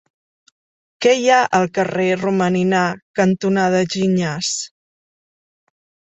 Què hi ha al carrer Romaninar cantonada Gignàs?